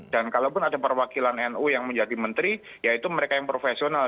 dan kalaupun ada perwakilan nu yang menjadi menteri ya itu mereka yang profesional